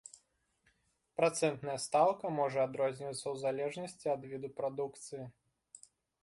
Працэнтная стаўка можа адрознівацца ў залежнасці ад віду прадукцыі.